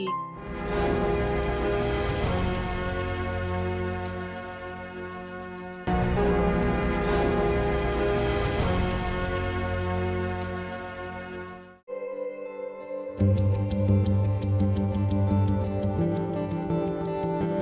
jangan lupa jangan lupa jangan lupa